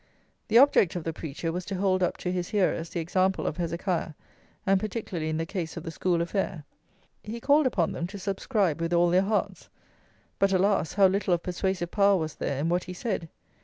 The object of the preacher was to hold up to his hearers the example of Hezekiah, and particularly in the case of the school affair. He called upon them to subscribe with all their hearts; but, alas! how little of persuasive power was there in what he said!